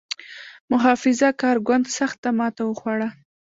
محافظه کار ګوند سخته ماته وخوړه.